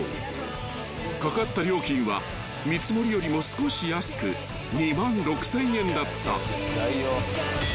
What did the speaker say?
［かかった料金は見積もりよりも少し安く２万６，０００円だった］